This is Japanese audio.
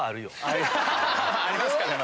ありますかね？